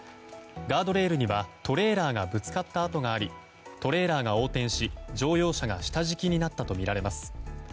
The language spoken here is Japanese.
ガードレールにはトレーラーがぶつかった跡がありトレーラーが横転し乗用車が下敷きになったとみられます。